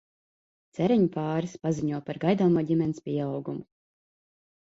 Ceriņu pāris paziņo par gaidāmo ģimenes pieaugumu.